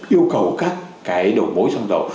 yêu cầu các cái đầu mối xăng dầu